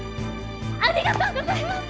ありがとうございます！